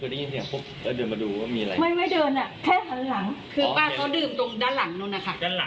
ที่เดี๋ยวมีคนวายกำลังอะไรกัน